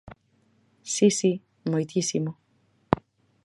Si, si, moitísimo.